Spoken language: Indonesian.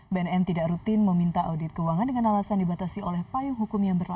bnn tidak rutin meminta audit keuangan dengan alasan dibatasi oleh payung hukum yang berlaku